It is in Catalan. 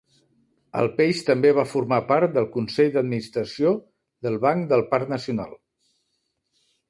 El peix també va formar part del Consell d'administració del Banc del parc nacional.